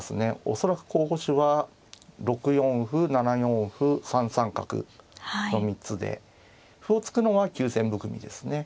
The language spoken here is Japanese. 恐らく候補手は６四歩７四歩３三角の３つで歩を突くのは急戦含みですね。